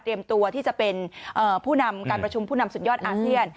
ตัวที่จะเป็นผู้นำการประชุมผู้นำสุดยอดอาเซียน